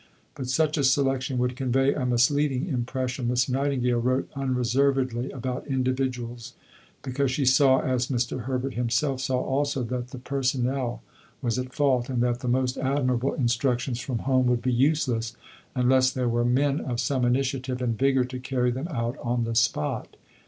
But such a selection would convey a misleading impression. Miss Nightingale wrote unreservedly about individuals, because she saw, as Mr. Herbert himself saw also, that the personnel was at fault, and that the most admirable instructions from home would be useless unless there were men of some initiative and vigour to carry them out on the spot.